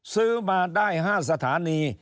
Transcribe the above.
ซื้อมาได้๕สถานี